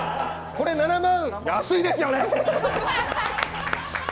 これ７万、安いですよね。